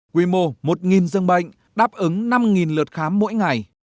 quy mô một dương bệnh đáp ứng năm lượt khám mỗi ngày